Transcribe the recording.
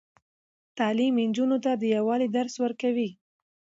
تعلیم نجونو ته د یووالي درس ورکوي.